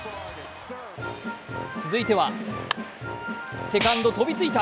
続いては、セカンド、飛びついた。